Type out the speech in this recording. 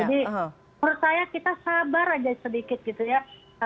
jadi menurut saya kita sabar aja sedikit gitu ya